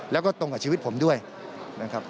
แล้วก็ตรงกับชีวิตผมด้วยนะครับ